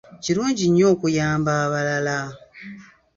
Kirungi nnyo okuyamba abalala.